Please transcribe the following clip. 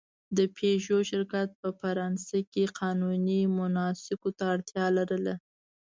د پيژو شرکت په فرانسې کې قانوني مناسکو ته اړتیا لرله.